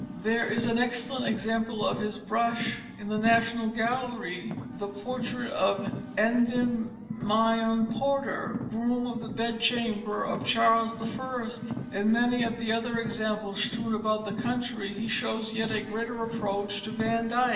There is an excellent example of his brush in the National Gallery, the portrait of Endymion Porter, groom of the bedchamber of Charles I. In many of the other examples strewn about the country he shows yet a greater approach to Van Dyck.